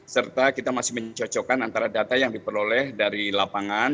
serta kita masih mencocokkan antara data yang diperoleh dari lapangan